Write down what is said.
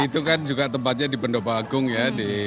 itu kan juga tempatnya di pendopo agung ya